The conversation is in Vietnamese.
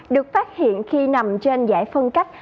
được phát hiện khi nằm trên giải phân cách